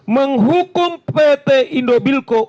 menghukum pt indobilco